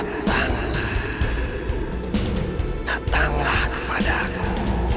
nampak tadi udah bener kan